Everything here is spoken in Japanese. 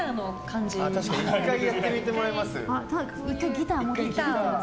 ギター持ってそう。